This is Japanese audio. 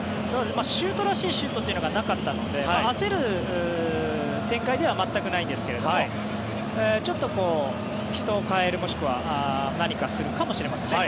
シュートらしいシュートというのがなかったので焦る展開ではないですがちょっと人を代える、もしくは何かするかもしれませんね。